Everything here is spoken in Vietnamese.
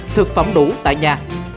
thực phẩm đủ tại nhà